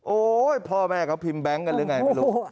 พ่อแม่เขาพิมพ์แบงค์กันหรือไงไม่รู้